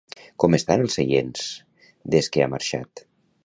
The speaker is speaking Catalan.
Com estan els seients, des que ha marxat?